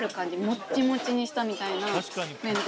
もっちもちにしたみたいな麺で。